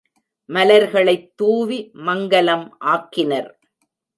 மலர்களைத் தூவி மங்கலம் ஆக்கினர்.